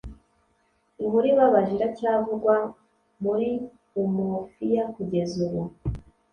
inkuru ibabaje iracyavugwa muri umuofia kugeza ubu